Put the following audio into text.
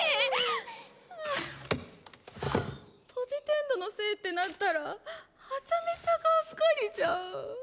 トジテンドのせいってなったらはちゃめちゃガッカリじゃん。